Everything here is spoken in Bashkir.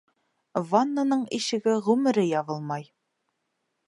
Ваннаның ишеге ғүмере ябылмай!